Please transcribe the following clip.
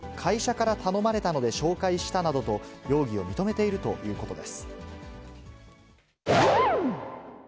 調べに対し、会社から頼まれたので紹介したなどと、容疑を認めているということです。